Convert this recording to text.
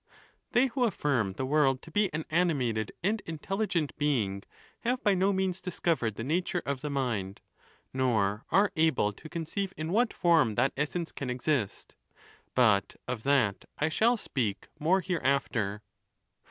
X. They who affirm the world to be an animated and intelligent being have by no means discovered the nature of the mind, nor are able to conceive in what form that^ essence can exist; but of that I shall speak more hereaf ter.